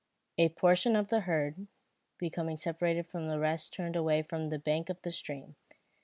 A portion of the herd, becoming separated from the rest turned away from the bank of the stream.